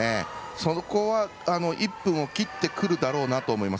そこは１分を切ってくるだろうなと思います。